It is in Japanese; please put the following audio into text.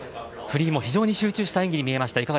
フリーも非常に集中した演技に見えました。